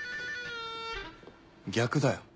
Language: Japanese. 逆だよ。